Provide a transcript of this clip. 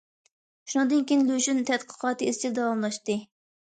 شۇنىڭدىن كېيىن لۇشۈن تەتقىقاتى ئىزچىل داۋاملاشتى.